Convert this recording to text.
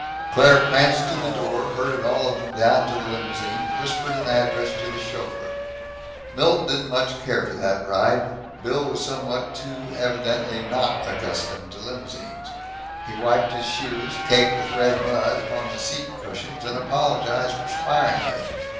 Claire pranced to the door, herded all of them down to the limousine, whispered an address to the chauffeur. Milt didn't care much for that ride. Bill was somewhat too evidently not accustomed to limousines. He wiped his shoes, caked with red mud, upon the seat cushions, and apologized perspiringly.